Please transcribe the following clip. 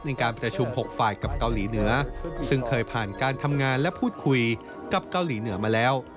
ในการประชุม๖ฝ่ายกับเกาหลีเหนือซึ่งเคยผ่านการทำงานและพูดคุยกับเกาหลีเหนือมาแล้ว